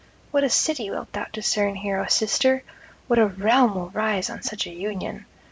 What a city wilt thou discern here, O sister! what a realm will rise on such a union!